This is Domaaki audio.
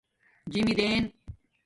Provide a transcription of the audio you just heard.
جِمدئین